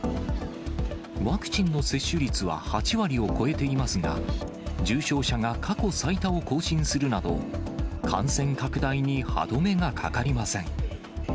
ワクチンの接種率は８割を超えていますが、重症者が過去最多を更新するなど、感染拡大に歯止めがかかりません。